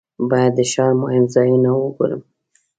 باید د ښار مهم ځایونه وګورم.